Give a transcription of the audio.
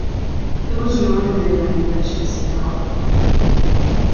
It was known in their language as 'dala'.